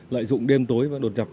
lợi dụng đêm tối và đột nhập